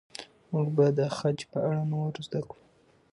موږ به د خج په اړه نور زده کړو.